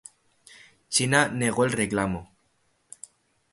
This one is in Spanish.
China negó el reclamo.